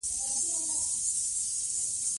مناشیر خط؛ د خط یو ډول دﺉ.